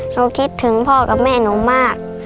คิดถึงพ่อกับแม่หนูมาก